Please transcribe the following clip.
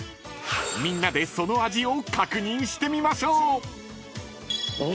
［みんなでその味を確認してみましょう］